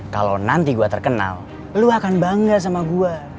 kalau nanti gue terkenal lo akan bangga sama gue